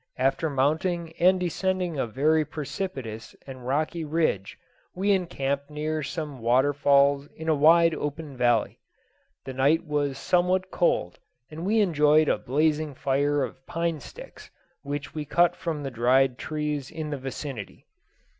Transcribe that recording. After mounting and descending a very precipitous and rocky ridge, we encamped near some waterfalls in a wide open valley. The night was somewhat cold, and we enjoyed a blazing fire of pine sticks, which we cut from the dried trees in the vicinity.